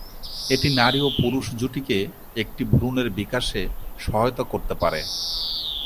এটি নারী ও পুরুষ জুটিকে একটি ভ্রূণের বিকাশে সহায়তা করতে পারে।